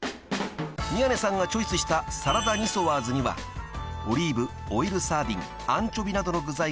［宮根さんがチョイスしたサラダニソワーズにはオリーブオイルサーディンアンチョビなどの具材がびっしり］